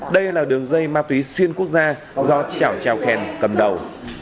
đây là đường dây ma túy xuyên quốc gia do chảo tràn khen cầm đầu